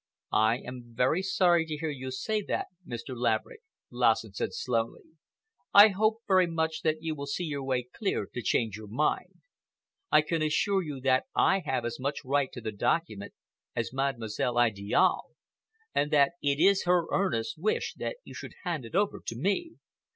"I am very sorry to hear you say that, Mr. Laverick," Lassen said slowly. "I hope very much that you will see your way clear to change your mind. I can assure you that I have as much right to the document as Mademoiselle Idiale, and that it is her earnest wish that you should hand it over to me.